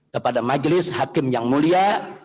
kepada majelis hakim yang mulia